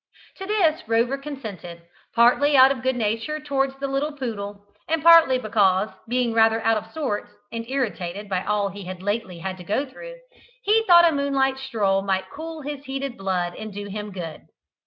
To this Rover consented, partly out of good nature towards the little poodle, and partly because, being rather out of sorts, and irritated by all he had lately had to go through, he thought a moonlight stroll might cool his heated blood and do him good.